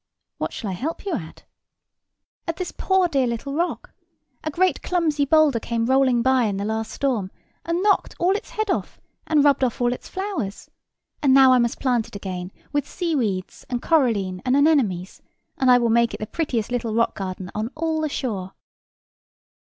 "What shall I help you at?" "At this poor dear little rock; a great clumsy boulder came rolling by in the last storm, and knocked all its head off, and rubbed off all its flowers. And now I must plant it again with seaweeds, and coralline, and anemones, and I will make it the prettiest little rock garden on all the shore."